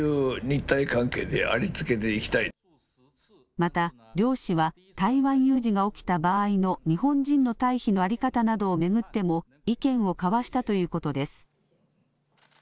また、両氏は台湾有事が起きた場合の日本人の退避の在り方などを巡っても意見を交わしたということです。